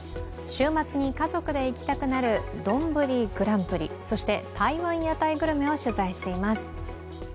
週末に家族で行きたくなるどんぶりグランプリそして、台湾屋台グルメを取材しています。